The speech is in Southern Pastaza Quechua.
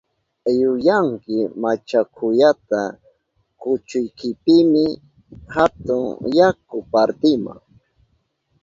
¡Yuyanki machakuyata kuchuykipimi kahun yaku partima!